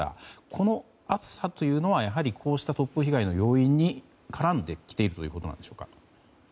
この暑さというのはやはり、こうした突風被害の要因に絡んできているということなんでしょうか。